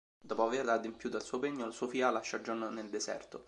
Dopo aver adempiuto al suo pegno, Sofia lascia John nel deserto.